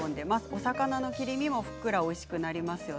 お魚の切り身もふっくらとおいしくなります。